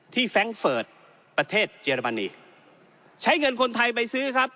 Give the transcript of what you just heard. แฟรงค์เฟิร์ตประเทศเยอรมนีใช้เงินคนไทยไปซื้อครับ